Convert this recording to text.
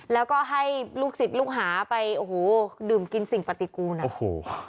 แล้วก็ให้ลูกศิษย์ลูกหาไปโอ้โหดื่มกินสิ่งปฏิกูลอ่ะโอ้โห